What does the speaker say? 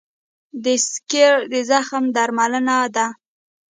د سکېر د زخم درملنه ده.